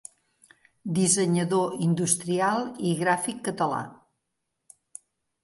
Dissenyador industrial i gràfic català.